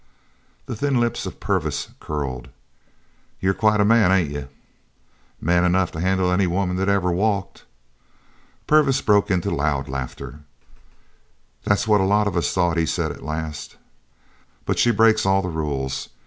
The thin lips of Purvis curled. "You're quite a man, ain't you?" "Man enough to handle any woman that ever walked." Purvis broke into loud laughter. "That's what a lot of us thought," he said at last, "but she breaks all the rules.